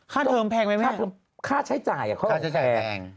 ค่าเทอมแพงไหมแม่ค่าเทอมค่าใช้จ่ายค่าใช้จ่ายแพง